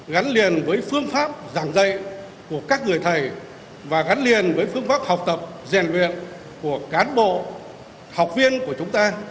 gắn liền với phương pháp giảng dạy của các người thầy và gắn liền với phương pháp học tập rèn luyện của cán bộ học viên của chúng ta